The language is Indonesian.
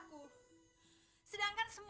aku sudah berusaha untuk mencari suami baru